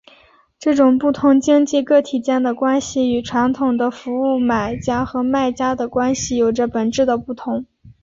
这种不同经济个体间的关系与传统的服务买家和卖家的关系有着本质的不同。